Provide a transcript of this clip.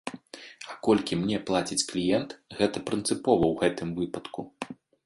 А колькі мне плаціць кліент, гэта прынцыпова ў гэтым выпадку.